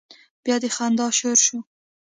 بيا د خندا شور شو.